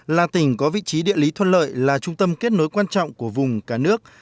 là tỉnh có vị trí địa lý thuận lợi là trung tâm kết nối quan trọng của vùng cả nước